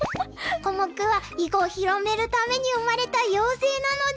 コモクは囲碁を広めるために生まれた妖精なのです。